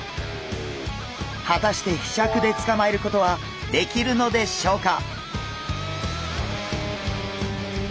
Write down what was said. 果たしてひしゃくでつかまえることはできるのでしょうか？